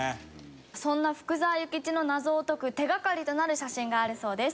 そんな福沢諭吉の謎を解く手がかりとなる写真があるそうです。